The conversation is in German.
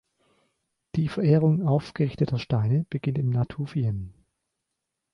Die Verehrung aufgerichteter Steine beginnt im Natufien.